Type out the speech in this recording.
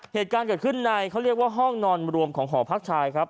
เหตุการณ์เกิดขึ้นในเขาเรียกว่าห้องนอนรวมของหอพักชายครับ